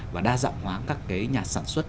và đa dạng hóa các cái nhà sản xuất